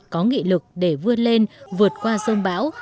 có nghị lực để vươn lên vượt qua sông bão